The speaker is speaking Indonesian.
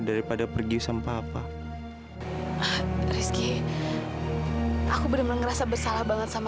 sampai jumpa di video selanjutnya